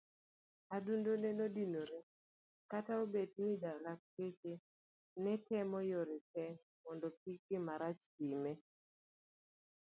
Adundone nodinore kata obedo ni lakteche netemo yore te mondo kik gimarach time.